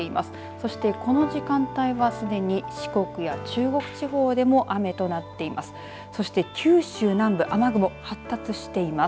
そして、この時間帯はすでに四国や中国地方でも雨となっています。